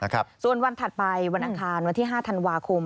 ส่วนวันถัดไปวันอังคารวันที่๕ธันวาคม